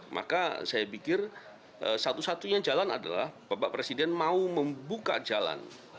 maka saya pikir satu satunya jalan adalah bapak presiden mau membuka jalan